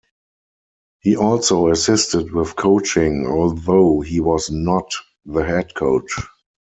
He also assisted with coaching, although he was not the head coach.